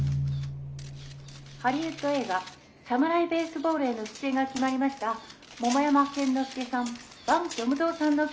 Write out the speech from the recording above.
ハリウッド映画「サムライ・ベースボール」への出演が決まりました桃山剣之介さん